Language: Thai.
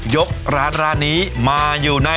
ยกร้านร้านนี้มาอยู่ใน